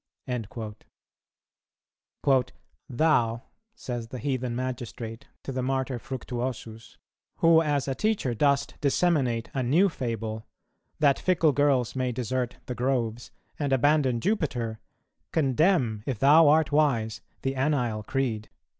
"[228:3] "Thou," says the heathen magistrate to the Martyr Fructuosus, "who as a teacher dost disseminate a new fable, that fickle girls may desert the groves and abandon Jupiter, condemn, if thou art wise, the anile creed."